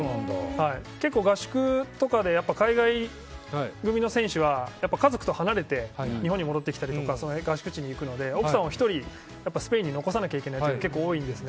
結構、合宿とかで海外組の選手が家族と離れて日本に戻ってきたりとか合宿地に行くので奥さんを１人スペインに残さなきゃいけないというのが結構多いんですね。